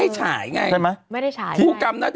เป็นการกระตุ้นการไหลเวียนของเลือด